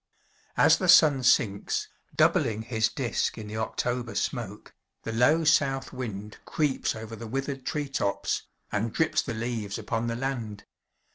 As the sun sinks, doubling his disk in the October smoke, the low south wind creeps over the withered tree tops, and drips the leaves upon the land.